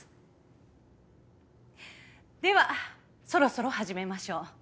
ではそろそろ始めましょう。